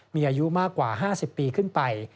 มีอายุมากกว่า๕๐ปีขึ้นไป